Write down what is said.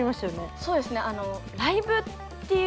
そうですね。